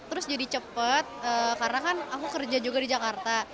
terus jadi cepet karena kan aku kerja juga di jakarta